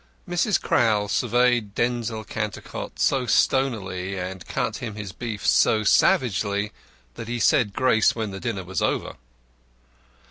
VI Mrs. Crowl surveyed Denzil Cantercot so stonily and cut him his beef so savagely that he said grace when the dinner was over.